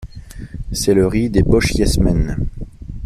C’est le riz des Bochjesmen!...